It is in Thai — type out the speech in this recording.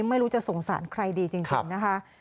ไม่รู้จะสงสารใครดีจริงนะคะ